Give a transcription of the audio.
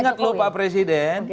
ingat lho pak presiden